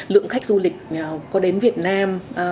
lượng khách du lịch có đến việt nam